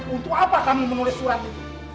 untuk apa kamu menulis surat ini